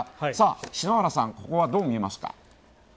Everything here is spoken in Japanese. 篠原さん、ここはどう見ますか？